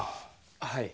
はい。